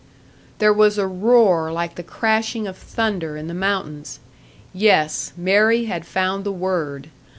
_" There was a roar like the crashing of thunder in the mountains. Yes, Mary had found the word!